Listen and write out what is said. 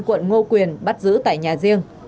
đối tượng ngô quyền bắt giữ tại nhà riêng